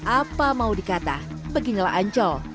apa mau dikata beginilah ancol